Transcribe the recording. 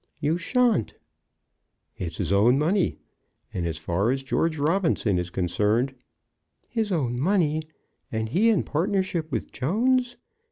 "You shan't!" "It's his own money, and, as far as George Robinson is concerned " "His own money, and he in partnership with Jones!